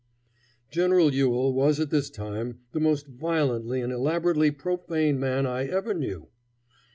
General Ewell was at this time the most violently and elaborately profane man I ever knew.